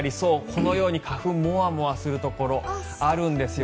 このように花粉がモワモワするところがあるんです。